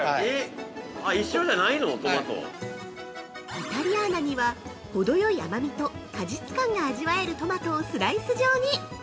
◆イタリアーナにはほどよい甘みと果実味が味わえるトマトをスライス状に。